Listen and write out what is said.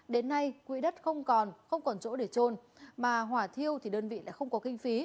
đến nay quỹ đất không còn không còn chỗ để trôn mà hỏa thiêu thì đơn vị lại không có kinh phí